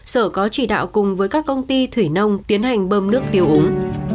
sở có chỉ đạo cùng với các công ty thủy nông tiến hành bơm nước tiêu úng